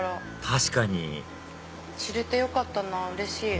確かに知れてよかったなうれしい。